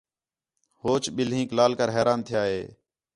ہوچ ٻلھینک لال کر حیران تِھیا ہِے